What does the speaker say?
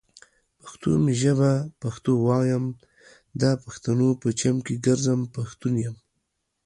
پښتو می ژبه پښتو وايم، دا پښتنو په چم کې ګرځم ، پښتون يمه